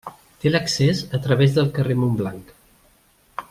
Té l'accés a través del carrer Montblanc.